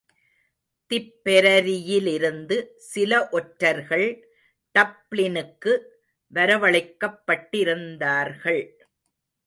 திப்பெரரியிலிருந்து சில ஒற்றர்கள் டப்ளினுக்கு வரவழைக்கப்பட்டிருந்தார்கள்.